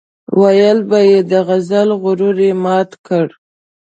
ويل به يې د غزل غرور یې مات کړ.